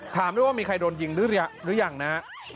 ถามด้วยว่ามีใครโดนยิงหรือยังนะฮะ